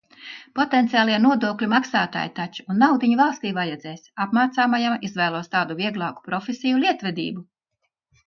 Potenciālie nodokļu maksātāji taču! Un naudiņu valstij vajadzēs. Apmācāmajam izvēlos tādu vieglāku profesiju - lietvedību.